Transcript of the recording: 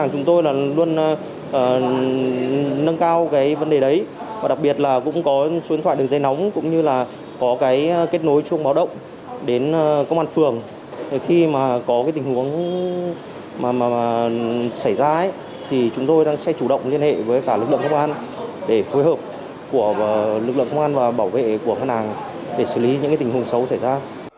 công an và bảo vệ của ngân hàng để xử lý những tình huống xấu xảy ra